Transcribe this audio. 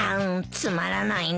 つまらないの。